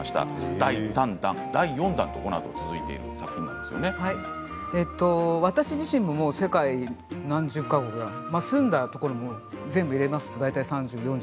第３第４もこのあと続いている私、自身も世界何十か国だろう住んだところも全部入れますと大体３０、４０